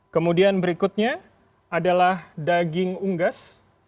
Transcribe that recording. kemudian berikutnya adalah daging unggas